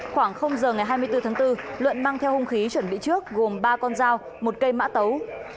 khoảng giờ ngày hai mươi bốn tháng bốn luận mang theo hung khí chuẩn bị trước gồm ba con dao một cây mã tấu